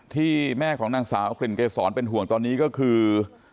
ที่แม่ของนางสาวกลิ่นเกษรเป็นห่วงตอนนี้ก็คือ